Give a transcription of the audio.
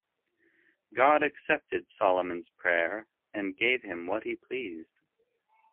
God accepted Solomon's prayer and gave him what he pleased.